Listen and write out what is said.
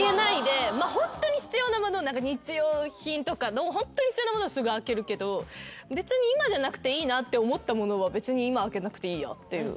まあホントに必要なもの日用品とかのホントに必要なものはすぐ開けるけど別に今じゃなくていいなって思ったものは別に今開けなくていいやっていう。